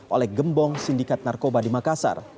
oleh gembong sindikat narkoba di makassar